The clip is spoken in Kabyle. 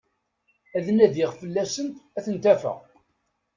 Ad nadiɣ fell-asent, ad tent-afeɣ.